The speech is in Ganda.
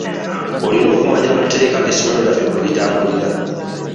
Olina okumanya amateeka esomero lyaffe kwe litambulira.